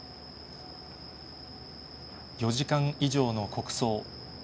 ４時間以上の国葬。